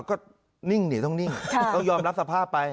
ก็นิ่งนี่ต้องนิ่งต้องยอมรับสภาพไป